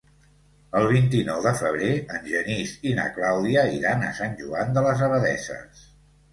El vint-i-nou de febrer en Genís i na Clàudia iran a Sant Joan de les Abadesses.